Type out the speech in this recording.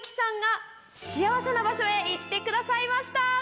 幸せな場所へ行ってくださいました！